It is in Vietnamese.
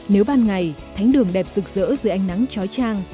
nếu ban ngày thánh đường đẹp rực rỡ giữa ánh nắng chói trang